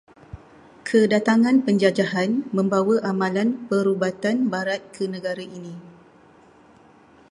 Kedatangan penjajahan membawa amalan perubatan barat ke negara ini.